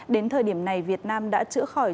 đến thời điểm này việt nam đã chữa khỏi